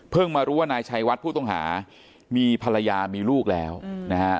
มารู้ว่านายชัยวัดผู้ต้องหามีภรรยามีลูกแล้วนะฮะ